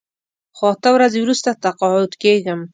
خو اته ورځې وروسته تقاعد کېږم.